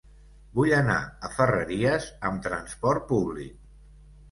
Vull anar a Ferreries amb transport públic.